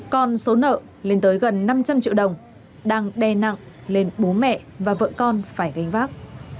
còn số nợ lên tới gần năm trăm linh triệu đồng đang đe nặng lên bố mẹ và vợ con phải gánh vác